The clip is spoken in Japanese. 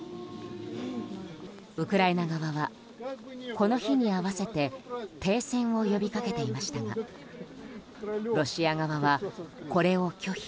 ウクライナ側はこの日に合わせて停戦を呼びかけていましたがロシア側はこれを拒否。